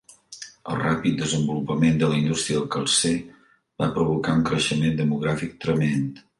El ràpid desenvolupament de la indústria del calcer va provocar un creixement demogràfic tremend.